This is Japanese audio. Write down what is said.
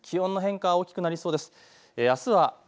気温の変化、大きくなりそうです。